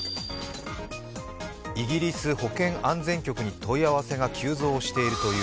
イギリス保健安全局に問い合わせが急増しているという。